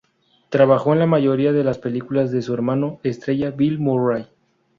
Trabajó en la mayoría de las películas de su hermano estrella, Bill Murray.